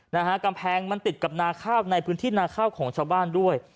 นะฮะกำแพงมันติดกับนาข้าวในพื้นที่นาข้าวของชาวบ้านด้วย